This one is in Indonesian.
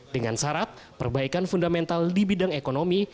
dengan syarat perbaikan fundamental di bidang ekonomi